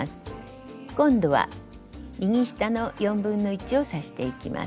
今度は右下の1/4を刺していきます。